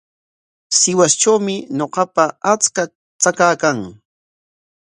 Sihuastrawmi ñuqapa achka trakaa kan.